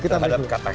kita break dulu